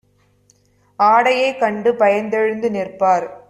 ஆடையைக் கண்டுபயந் தெழுந்து நிற்பார்